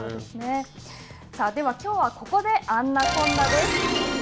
さあでは、きょうはここで「あんなこんな」です。